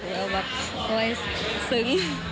แล้วแบบคอยซึ้ง